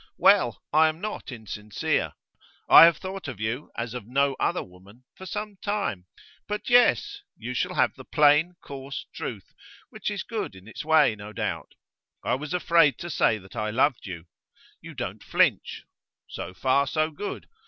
Well, I am not insincere. I have thought of you as of no other woman for some time. But yes, you shall have the plain, coarse truth, which is good in its way, no doubt. I was afraid to say that I loved you. You don't flinch; so far, so good.